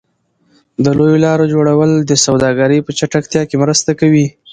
د لویو لارو جوړول د سوداګرۍ په چټکتیا کې مرسته کوي.